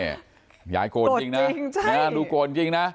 นี่ยายโกนจริงนะในหน้าดูโกนจริงนะ